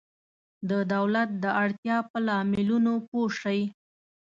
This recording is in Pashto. د دولت د اړتیا په لاملونو پوه شئ.